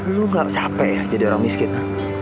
lu gak capek ya jadi orang miskin